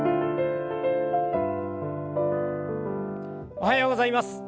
おはようございます。